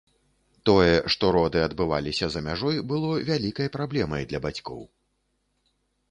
Тое, што роды адбываліся за мяжой, было вялікай праблемай для бацькоў.